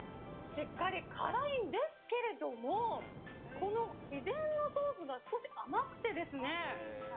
しっかり辛いんですけどもこの秘伝のソースが少し甘くてですね